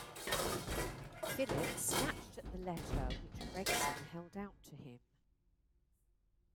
Philip snatched at the letter which Gregson held out to him.